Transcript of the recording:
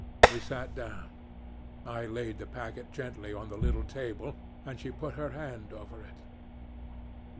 We sat down. I laid the packet gently on the little table, and she put her hand over it.